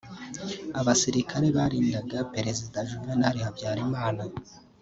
Abasirikare barindaga Perezida Juvenal Habyarimana